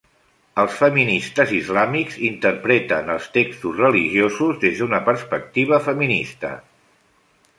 Els feministes islàmics interpreten els textos religiosos des d'una perspectiva feminista.